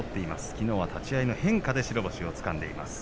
きのうは立ち合いの変化で白星をつかみました。